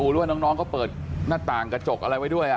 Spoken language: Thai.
หรือว่าน้องเขาเปิดหน้าต่างกระจกอะไรไว้ด้วย